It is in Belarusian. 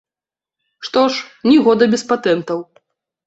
Што ж, ні года без патэнтаў.